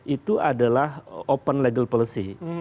itu adalah open legal policy